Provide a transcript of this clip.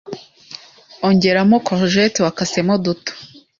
Ongeramo courgettes wakasemo duto